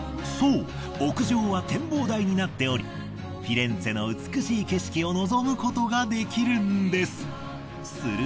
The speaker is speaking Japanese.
そう屋上は展望台になっておりフィレンツェの美しい景色を望むことができるんです。